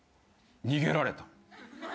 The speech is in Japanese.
逃げられた。